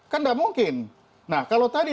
kan tidak mungkin nah kalau tadi